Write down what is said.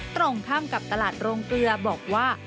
ตรงข้ามกับตลาดโรงเกลือบอกว่า